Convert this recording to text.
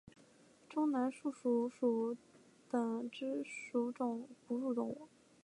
中南树鼠属等之数种哺乳动物。